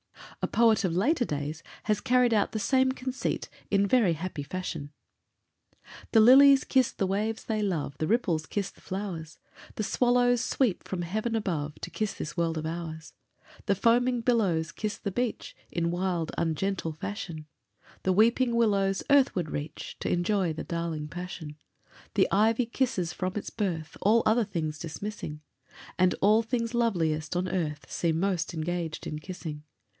A poet of later days has carried out the same conceit in very happy fashion: The lilies kiss the waves they love, The ripples kiss the flowers; The swallows sweep from heaven above, To kiss this world of ours; The foaming billows kiss the beach, In wild, ungentle fashion; The weeping willows earthward reach T' enjoy the darling passion; The ivy kisses from its birth, All other things dismissing; And all things loveliest on earth Seem most engaged in kissing.